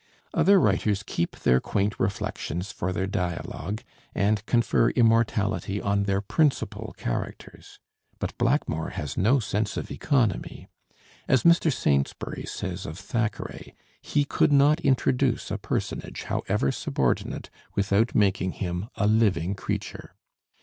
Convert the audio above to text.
Other writers keep their quaint reflections for their dialogue, and confer immortality on their principal characters. But Blackmore has no sense of economy. As Mr. Saintsbury says of Thackeray, he could not introduce a personage, however subordinate, without making him a living creature.